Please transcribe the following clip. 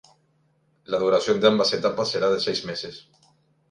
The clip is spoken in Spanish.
La duración de ambas etapas será de seis meses.